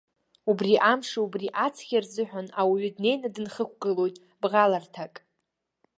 Убри амши убри аҵхи рзыҳәан ауаҩы днеины дынхықәгылоит бӷаларҭак.